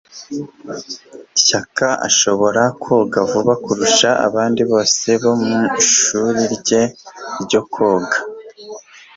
Shaka ashobora koga vuba kurusha abandi bose bo mu ishuri rye ryo koga.